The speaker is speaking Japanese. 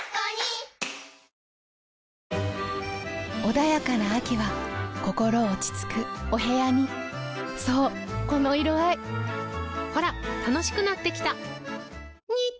穏やかな秋は心落ち着くお部屋にそうこの色合いほら楽しくなってきた！